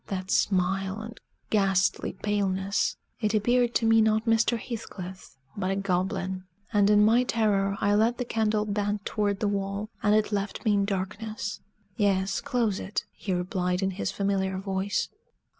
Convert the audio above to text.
That smile and ghastly paleness! It appeared to me not Mr. Heathcliff, but a goblin; and in my terror I let the candle bend toward the wall, and it left me in darkness. "Yes, close it," he replied in his familiar voice.